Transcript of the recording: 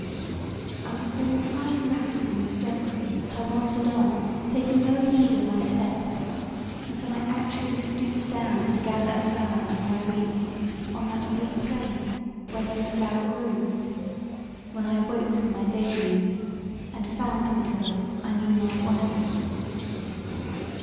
I was so entirely wrapt in this reverie that I wandered on, taking no heed of my steps until I actually stooped down to gather a flower for my wreath on that bleak plain where no flower grew, when I awoke from my day dream and found myself I knew not where.